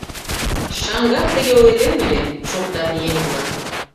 — Шаҥгак тыге ойлем ыле, — шоктат еҥ-влак.